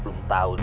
belum tau dia